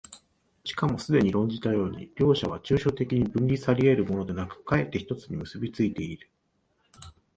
しかもすでに論じたように、両者は抽象的に分離され得るものでなく、却って一つに結び付いている。